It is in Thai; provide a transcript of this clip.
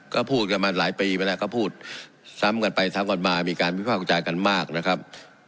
ก็พูดกันมาหลายปีไปแล้วก็พูดซ้ำกันไปซ้ำกันมามีการวิภาควิจารณ์กันมากนะครับ